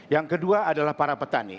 yang kedua adalah para petani